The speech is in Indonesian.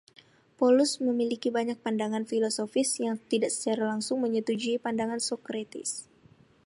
Polus memiliki banyak pandangan filosofis yang tidak secara langsung menyetujui pandangan Socrates.